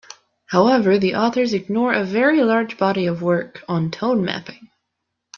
However, the authors ignore a very large body of work on tone mapping.